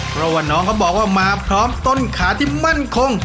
เพราะว่าน้องเขาบอกว่ามาพร้อมต้นขาที่มั่นคง